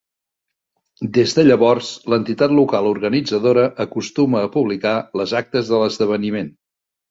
Des de llavors l'entitat local organitzadora acostuma a publicar les actes de l'esdeveniment.